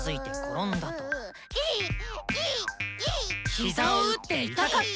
膝を打って痛かった。